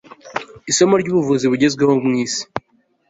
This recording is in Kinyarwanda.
isomo ryubuvuzi bugezweho mwisi